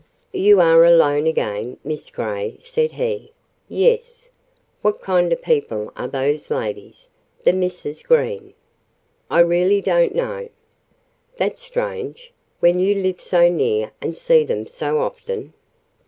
"You are alone again, Miss Grey," said he. "Yes." "What kind of people are those ladies—the Misses Green?" "I really don't know." "That's strange—when you live so near and see them so often!"